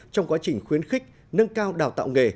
trong quá trình khuyến khích nâng cao đào tạo nghề